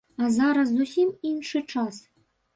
А зараз зусім іншы час.